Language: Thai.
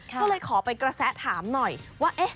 ก็เลยขอไปกระแสถามหน่อยว่า